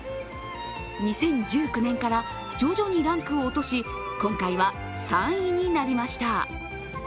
２０１９年から徐々にランクを落とし、今回は３位になりました。